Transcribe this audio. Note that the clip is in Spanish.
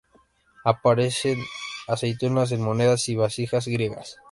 Aparecen aceitunas en monedas y vasijas griegas.